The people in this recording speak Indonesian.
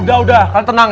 udah udah kalian tenang ya